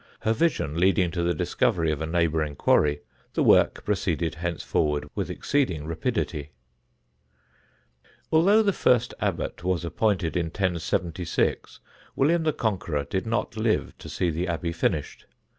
Her vision leading to the discovery of a neighbouring quarry, the work proceeded henceforward with exceeding rapidity. [Sidenote: ST. MARTIN'S ABBEY] Although the first Abbot was appointed in 1076, William the Conqueror did not live to see the Abbey finished.